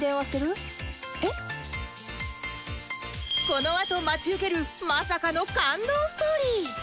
このあと待ち受けるまさかの感動ストーリー